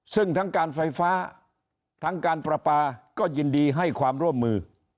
ซึ่งทั้งการไฟฟ้าทั้งการประปาก็ยินดีให้ความร่วมมือ